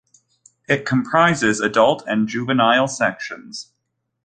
It comprises adult and juvenile sections.